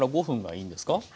３５分がいいんですか？